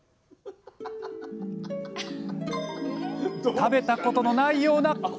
食べたことのないようなおいしさ。